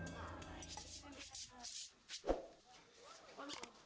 masih tetangganya ibu